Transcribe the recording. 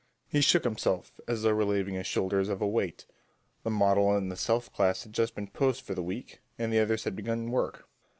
He shook himself as though relieving his shoulders of a weight. The model in the life class had just been posed for the week, and the others had begun work.